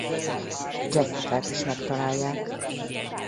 Jessicát is megtalálják.